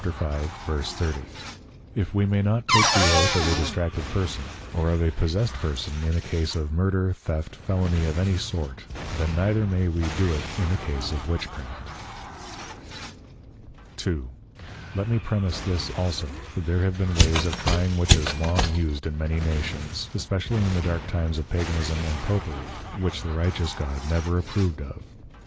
_ if we may not take the Oath of a distracted Person, or of a possessed Person in a Case of Murder, Theft, Felony of any sort, then neither may we do it in the Case of Witchcraft. 2. Let me premise this also, that there have been ways of trying Witches long used in many Nations, especially in the dark times of Paganism and Popery, which the righteous God never approved of.